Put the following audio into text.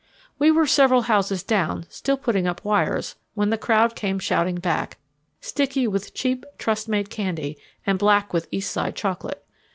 We were several houses down, still putting up wires when the crowd came shouting back, sticky with cheap trust made candy and black with East Side chocolate.